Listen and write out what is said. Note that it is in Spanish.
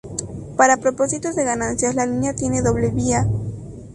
Para propósitos de ganancias, la línea tiene doble vía.